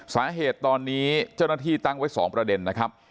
สาเหตุตอนนี้เจ้าหน้าที่ตั้งไว้๒ประเด็นนะครับ